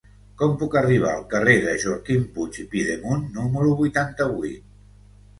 Com puc arribar al carrer de Joaquim Puig i Pidemunt número vuitanta-vuit?